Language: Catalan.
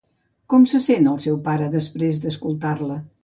Com se sent el seu pare després d'escoltar-la?